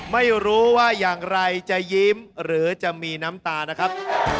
ไม่รู้ว่าอย่างไรจะยิ้มหรือจะมีน้ำตานะครับ